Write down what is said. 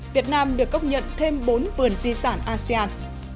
việt nam được công nhận thêm bốn vườn di sản asean